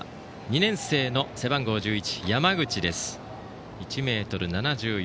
２年生の背番号１１、山口です。